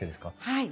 はい。